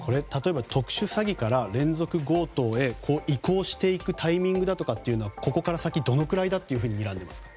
特殊詐欺から例えば、連続強盗へ移行していくタイミングだとかはここから先、どのくらいだとにらんでいますか。